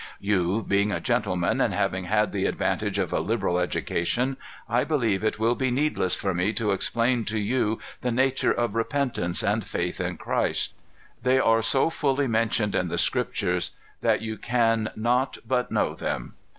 "You, being a gentleman, and having had the advantage of a liberal education, I believe it will be needless for me to explain to you the nature of repentance and faith in Christ. They are so fully mentioned in the Scriptures that you can not but know them.